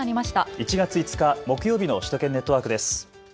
１月５日木曜日の首都圏ネットワークです。